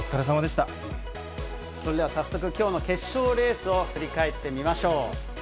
それでは早速、きょうの決勝レースを振り返ってみましょう。